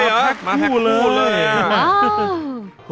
มาแฮกค์คู่เลย